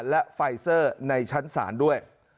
และไฟเซอร์ในชั้นศาลด้วย